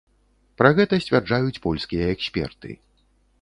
Пра гэта сцвярджаюць польскія эксперты.